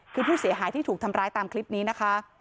คือผู้เสียหายที่ถูกทำร้ายตามคลิปนี้นะคะ